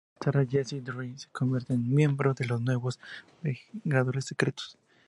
Más tarde, Jessica Drew se convierte en miembro de los nuevos Vengadores Secretos.